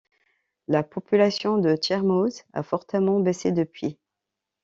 La population de Tchermoz a fortement baissé depuis.